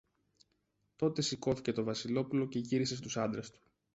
Τότε σηκώθηκε το Βασιλόπουλο και γύρισε στους άντρες του.